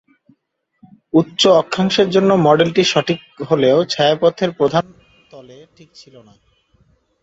উচ্চ অক্ষাংশের জন্য মডেলটি সঠিক হলেও ছায়াপথের প্রধান তলে ঠিক ছিল না।